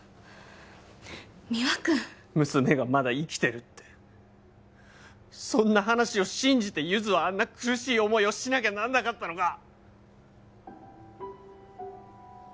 三輪君娘がまだ生きてるってそんな話を信じてゆづはあんな苦しい思いをしなきゃなんなかったのか？